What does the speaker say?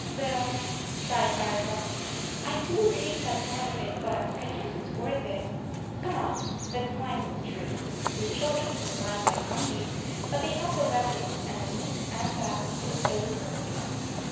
"Well," sighed Firefly, "I do hate that part of it, but I guess it s worth it. Come on. Let s climb this tree." The children could climb like monkeys, but they had their weapons and the meat 47 and that made it a little difficult.